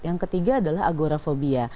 yang ketiga adalah agorafobia